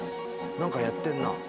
何かやってんな。